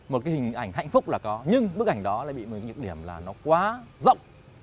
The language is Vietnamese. một cái hình ảnh hạnh phúc là có nhưng bức ảnh đó lại bị một nhược điểm là nó quá rộng